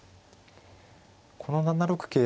この７六桂